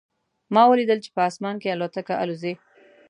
ما ولیدل چې په اسمان کې الوتکه الوزي